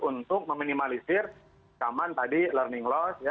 untuk meminimalisir ancaman tadi learning loss